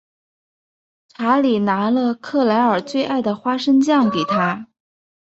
查理拿了克莱尔最爱的花生酱给她。